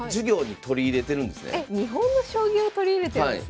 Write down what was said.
日本の将棋を取り入れてるんですね。